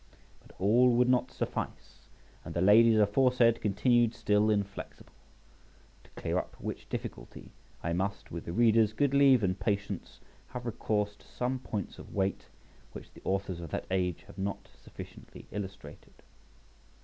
But all would not suffice, and the ladies aforesaid continued still inflexible. To clear up which difficulty, I must, with the reader's good leave and patience, have recourse to some points of weight which the authors of that age have not sufficiently illustrated.